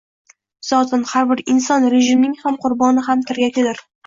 zotan har bir inson rejimning ham qurboni ham tirgagidir.